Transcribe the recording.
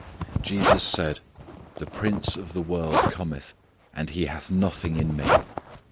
Jesus said "the prince of the world cometh: and he hath nothing in Me."